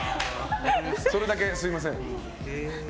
それだけ、すみません。